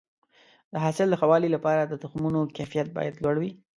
د حاصل د ښه والي لپاره د تخمونو کیفیت باید لوړ وي.